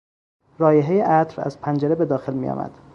رایحهی عطر از پنجره به داخل میآمد.